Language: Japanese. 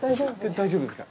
大丈夫ですか？